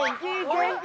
元気！